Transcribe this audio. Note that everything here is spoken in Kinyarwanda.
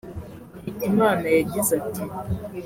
Hitimana yagize ati